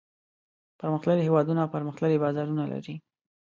پرمختللي هېوادونه پرمختللي بازارونه لري.